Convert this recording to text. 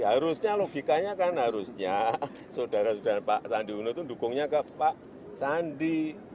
harusnya logikanya kan harusnya saudara saudara pak sandi uno itu dukungnya ke pak sandi